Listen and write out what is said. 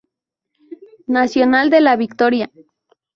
Nacional de la Victoria.